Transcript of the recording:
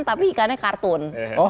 tapi ikannya kartun